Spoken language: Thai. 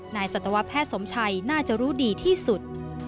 สัตวแพทย์สมชัยน่าจะรู้ดีที่สุด